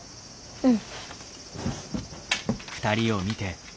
うん。